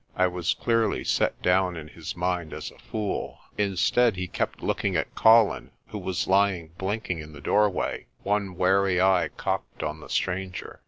I was clearly set down in his mind as a fool. Instead he kept looking at Colin, who was lying blinking in the doorway, one wary eye cocked on the stranger.